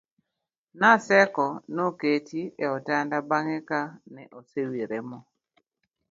Naseko noketi e otanda bang'e ka ne osewire mo